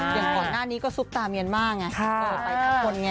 อย่างก่อนหน้านี้ก็ซุปตาเมียนมาร์ไงเปิดไปทั้งคนไง